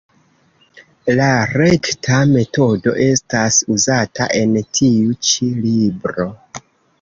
La rekta metodo estas uzata en tiu ĉi libro.